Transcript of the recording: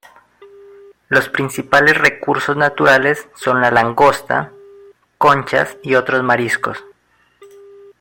Los principales recursos naturales son la langosta, conchas y otros mariscos.